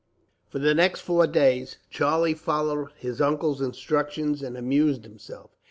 For the next four days, Charlie followed his uncle's instructions and amused himself.